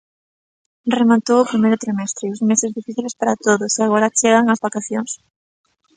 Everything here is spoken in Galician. Rematou o primeiro trimestre, uns meses difíciles para todos, e agora chegan as vacacións.